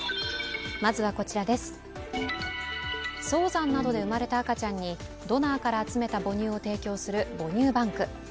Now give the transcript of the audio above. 早産などで生まれた赤ちゃんにドナーから集めた母乳を提供する母乳バンク。